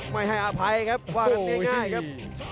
ไม่ให้อภัยครับว่ากันง่ายครับ